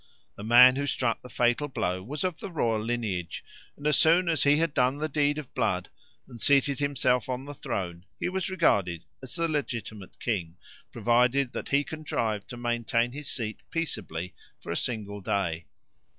The man who struck the fatal blow was of the royal lineage, and as soon as he had done the deed of blood and seated himself on the throne he was regarded as the legitimate king, provided that he contrived to maintain his seat peaceably for a single day.